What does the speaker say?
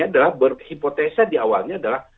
adalah berhipotesa di awalnya adalah